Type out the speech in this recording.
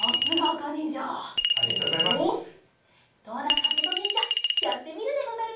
かずとにんじゃやってみるでござるか？